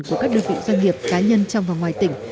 của các đơn vị doanh nghiệp cá nhân trong và ngoài tỉnh